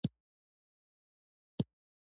• ثانیه د لاسته راوړنې څرک دی.